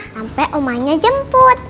sampai omanya jemput